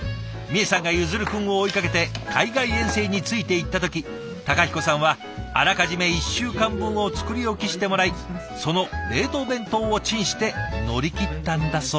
みえさんが結弦くんを追いかけて海外遠征についていった時孝彦さんはあらかじめ１週間分を作り置きしてもらいその冷凍弁当をチンして乗り切ったんだそうです。